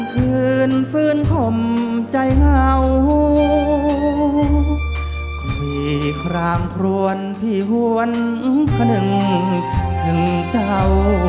คืนฟื้นคมใจเหงากลุ่มพี่คลางพรวนพี่หวนขนึงถึงเจ้า